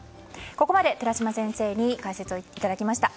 ここまで寺嶋先生に解説をいただきました。